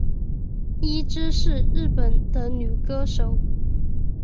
伊织是日本的女歌手。